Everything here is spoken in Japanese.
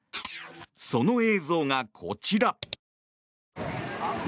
その映像が、こちら。